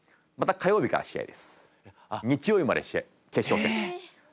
火曜日から試合です。